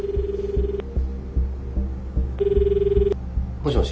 もしもし？